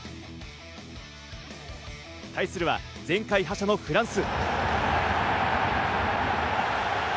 対するは前回覇者のフランス。